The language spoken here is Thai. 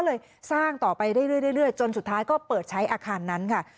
เลยสร้างต่อไปเรื่อยจนสุดท้ายก็เปิดใช้อาคารนั้นค่ะ